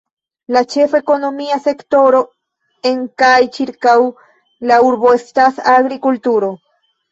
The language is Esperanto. La ĉefa ekonomia sektoro en kaj ĉirkaŭ la urbo estas agrikulturo.